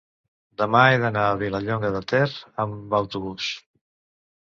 demà he d'anar a Vilallonga de Ter amb autobús.